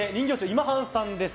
今半さんです。